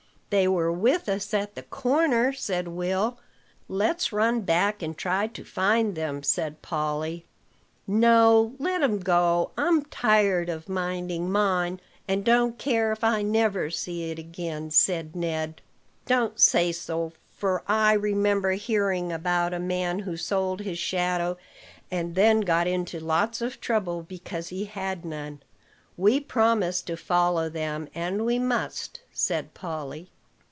"They were with us at the corner," said Will. "Let's run back, and try to find them," said Polly. "No, let 'em go: I'm tired of minding mine, and don't care if I never see it again," said Ned. "Don't say so; for I remember hearing about a man who sold his shadow, and then got into lots of trouble because he had none. We promised to follow them, and we must," said Polly.